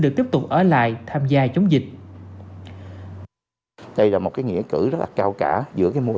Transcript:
được tiếp tục ở lại tham gia chống dịch đây là một nghĩa cử rất là cao cả giữa mùa